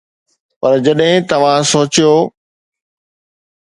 پر جڏهن توهان سوچيو.